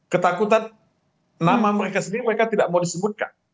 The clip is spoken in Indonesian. ketakutan nama mereka sendiri mereka tidak mau disebutkan